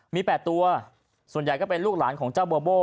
มี๘ตัวส่วนใหญ่ก็เป็นลูกหลานของเจ้าโบโบ้